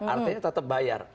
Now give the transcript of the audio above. artinya tetap bayar